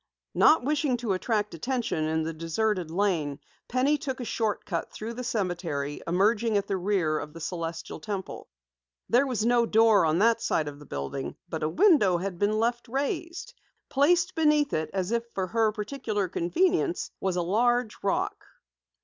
Not wishing to attract attention in the deserted lane, Penny took a short cut through the cemetery, emerging at the rear of the Celestial Temple. There was no door on that side of the building but a window had been left raised. Placed beneath it, as if for her particular convenience, was a large rock.